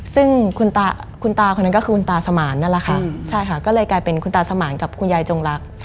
ซึ่งคุณตาคนนั้นก็คือคุณตาสมานนั่นแหละค่ะใช่ค่ะก็เลยกลายเป็นคุณตาสมานกับคุณยายจงรัก